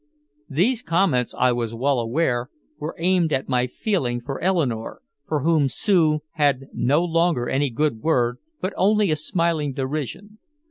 These comments, I was well aware, were aimed at my feeling for Eleanore, for whom Sue had no longer any good word but only a smiling derision.